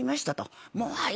はい。